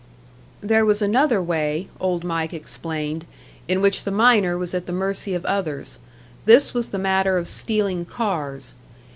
There was another way, Old Mike explained, in which the miner was at the mercy of others; this was the matter of stealing cars.